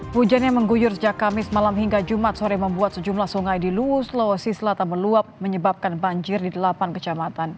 hujan yang mengguyur sejak kamis malam hingga jumat sore membuat sejumlah sungai di luwu sulawesi selatan meluap menyebabkan banjir di delapan kecamatan